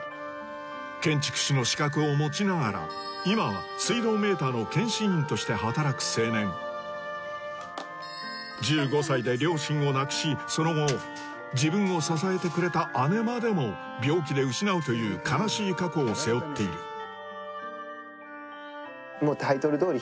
建築士の資格を持ちながら今はとして働く青年１５歳で両親を亡くしその後自分を支えてくれた姉までも病気で失うという悲しい過去を背負っているもうタイトルどおり